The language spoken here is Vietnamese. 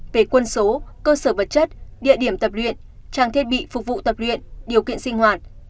về quân số cơ sở vật chất địa điểm tập luyện trang thiết bị phục vụ tập luyện điều kiện sinh hoạt